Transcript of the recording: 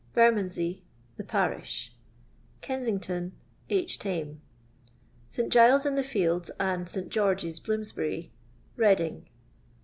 Bermondsey The parish. Kensington II. Tame. St. Gileii's in the Fields and St. George'*, Bloomsbury Redding.